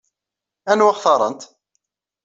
Anwa xtarent?